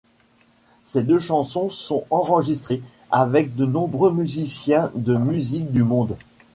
Ces deux chansons sont enregistrées avec de nombreux musiciens de musique du monde.